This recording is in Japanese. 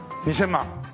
２０００万？